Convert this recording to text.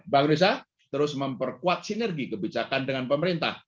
bank indonesia terus memperkuat sinergi kebijakan dengan pemerintah